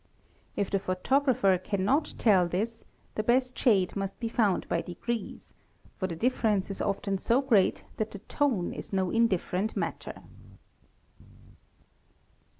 If the photographer _ cannot tell this, the best shade must be found by degrees, for the difference 5 is often so great that the tone is no indifferent matter.